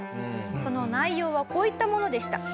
その内容はこういったものでした。